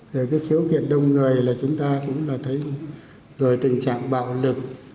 cái khiếu kiệt đông người là chúng ta cũng là thấy rồi tình trạng bạo lực